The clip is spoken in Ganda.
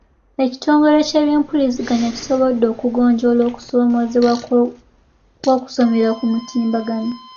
Ekitongole ky'ebyempuliziganya kisobodde okugonjoola okusoomoozebwa kw'okusomera ku mutimbagano